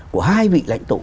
của hai vị lãnh tổ